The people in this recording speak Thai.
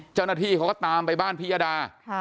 เจ้าหน้าที่เขาก็ตามไปบ้านพิยดา